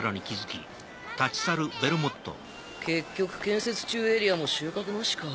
結局建設中エリアも収穫なしか。